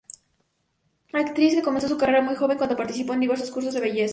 Actriz que comenzó su carrera muy joven cuando participó en diversos concursos de belleza.